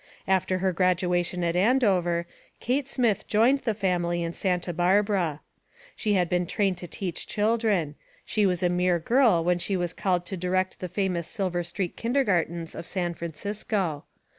After her graduation at Andover Kate Smith joined the family in Santa Bar bara. She had been trained to teach children; she was a mere girl when she was called to direct KATE DOUGLAS WIGGIN 123 the famous Silver Street kindergartens of San Francisco.